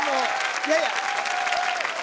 いやいや。